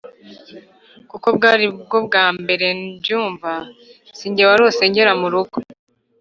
kuko bwari na bwo bwa mbere ndyumva. si nge warose ngera mu rugo.